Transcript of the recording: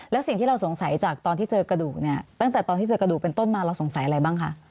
แล้วสิ่งที่เราสงสัยจากตอนที่เจอกระดูกเนี่ยตั้งแต่ตอนที่เจอกระดูกเป็นต้นมาเราสงสัยอะไรบ้างคะ